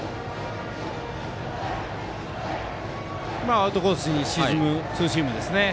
アウトコースに沈むツーシームですね。